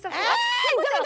jangan jangan jangan